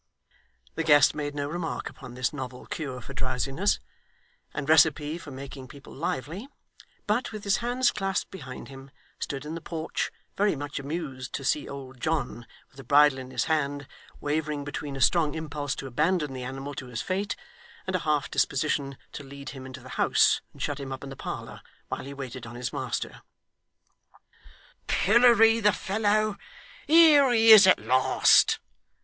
The guest made no remark upon this novel cure for drowsiness, and recipe for making people lively, but, with his hands clasped behind him, stood in the porch, very much amused to see old John, with the bridle in his hand, wavering between a strong impulse to abandon the animal to his fate, and a half disposition to lead him into the house, and shut him up in the parlour, while he waited on his master. 'Pillory the fellow, here he is at last!